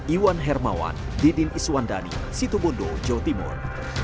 iwan hermawan didin iswandani situ bondo jawa timur